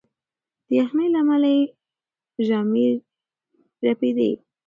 د یخنۍ له امله یې ژامې رپېدې.